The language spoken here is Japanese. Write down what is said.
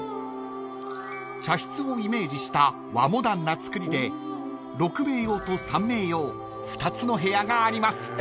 ［茶室をイメージした和モダンな造りで６名用と３名用２つの部屋があります］